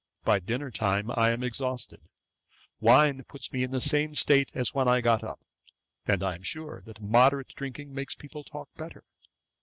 By dinner time I am exhausted; wine puts me in the same state as when I got up; and I am sure that moderate drinking makes people talk better.'